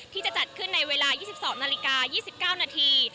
ที่จะจัดขึ้นในเวลา๒๒นาฬิกา๒๙นาที